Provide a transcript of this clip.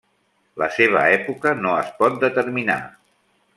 La seva època no es pot determinar.